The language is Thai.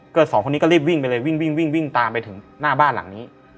สองคนนี้ก็รีบวิ่งไปเลยวิ่งวิ่งตามไปถึงหน้าบ้านหลังนี้